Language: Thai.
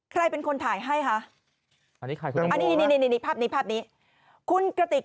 ใครเป็นคนถ่ายให้คะอันนี้ใครคนนี้อันนี้นี่ภาพนี้ภาพนี้คุณกระติก